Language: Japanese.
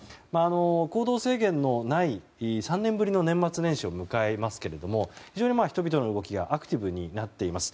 行動制限のない、３年ぶりの年末年始を迎えますけれども非常に人々の動きがアクティブになっています。